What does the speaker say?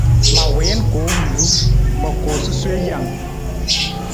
Ma wiin koowilu, ma koo sasuwe jang.